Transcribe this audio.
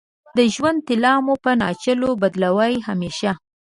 د ژوند طلا مو په ناچلو بدلوې همیشه